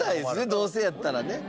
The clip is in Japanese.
どうせやったらね。